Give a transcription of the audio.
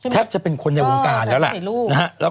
แทบจะเป็นคนในวงการแล้วล่ะ